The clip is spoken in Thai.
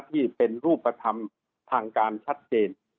ที่เป็นรูปธรรมทางการชัดเจน